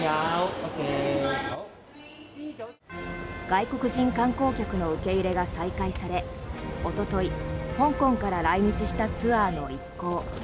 外国人観光客の受け入れが再開されおととい、香港から来日したツアーの一行。